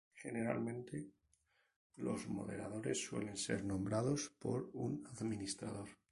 Generalmente, los moderadores suelen ser nombrados por un administrador.